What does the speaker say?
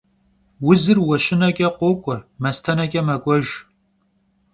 Узыр уэщынэкӀэ къокӀуэ, мастэнэкӀэ мэкӀуэж.